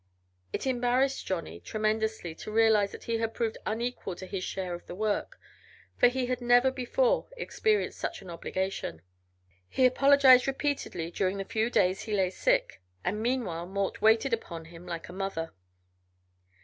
It embarrassed Johnny tremendously to realize that he had proved unequal to his share of the work, for he had never before experienced such an obligation. He apologized repeatedly during the few days he lay sick, and meanwhile Mort waited upon him like a mother.